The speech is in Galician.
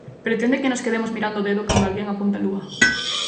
"Pretende que nos quedemos mirando o dedo cando alguén apunta á lúa".